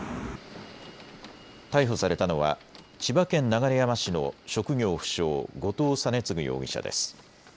逮捕されたのは千葉県流山市の職業不詳、後藤仁乙容疑者です。